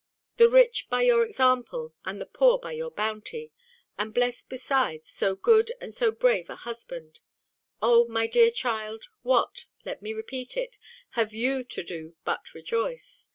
the rich by your example, and the poor by your bounty; and bless besides so good and so brave a husband; O my dear child, what, let me repeat it, have you to do but rejoice?